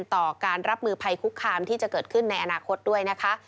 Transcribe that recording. ต่อการรับมือภัยคุกคามที่จะเกิดขึ้นในอนาคตด้วยนะคะ